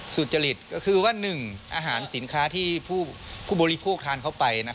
สุจริตก็คือว่า๑อาหารสินค้าที่ผู้บริโภคทานเข้าไป